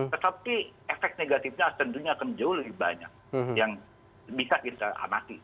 tetapi efek negatifnya tentunya akan jauh lebih banyak yang bisa kita amati